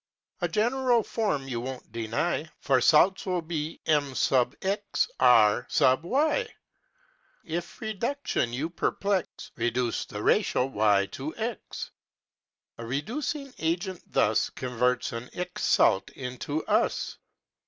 A general form you won't deny, For salts will be M^ E^ : If reduction you perplex Reduce the ratio y to x ; A reducing agent thus Converts an ic salt, into ous.